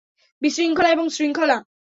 বিশৃঙ্খলা এবং শৃঙ্খলা।